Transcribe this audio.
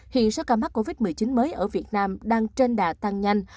hiện số ca mắc covid một mươi chín mới ở việt nam đang trên đà tăng nhanh